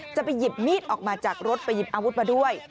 จะไปหยิบมีดออกมาจากรถไปหยิบอาวุธมาด้วย